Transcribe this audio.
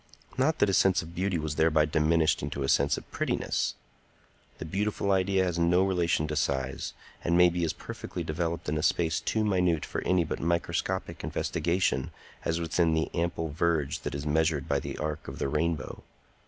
Not that his sense of beauty was thereby diminished into a sense of prettiness. The beautiful idea has no relation to size, and may be as perfectly developed in a space too minute for any but microscopic investigation as within the ample verge that is measured by the arc of the rainbow.